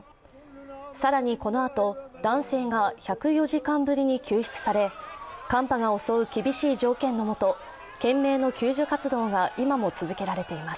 更にこのあと、男性が１０４時間ぶりに救出され寒波が襲う厳しい条件のもと懸命の救助活動が今も続けられています。